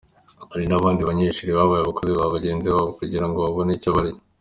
Hari n’abandi banyeshuri babaye abakozi ba bagenzi babo kugira ngo babone icyo barya.